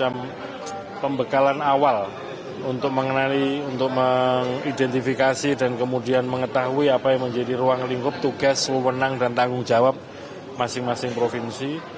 ada pembekalan awal untuk mengenali untuk mengidentifikasi dan kemudian mengetahui apa yang menjadi ruang lingkup tugas mewenang dan tanggung jawab masing masing provinsi